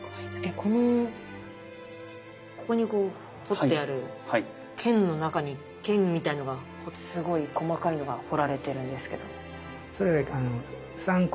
このここに彫ってある剣の中に剣みたいなのがすごい細かいのが彫られてるんですけど。